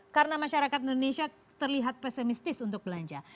karena masyarakat indonesia terlihat pesimistis untuk belanja